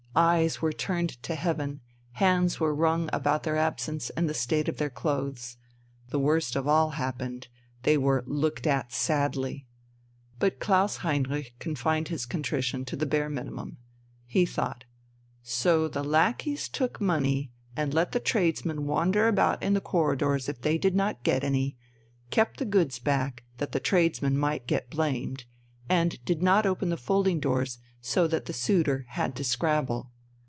Eyes were turned to heaven, hands were wrung about their absence and the state of their clothes. The worst of all happened, they were "looked at sadly." But Klaus Heinrich confined his contrition to the bare minimum. He thought: "So the lackeys took money and let the tradesmen wander about the corridors if they did not get any, kept the goods back, that the tradesmen might get blamed, and did not open the folding doors, so that the suitor had to scrabble.